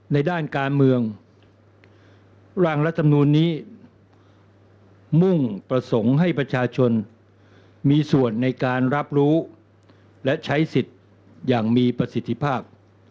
ในด้านการเมืองร่างรัฐมนูลนี้มุ่งประสงค์ให้ประชาชนมีส่วนในการรับรู้และใช้สิทธิ์อย่างมีประสิทธิภาพ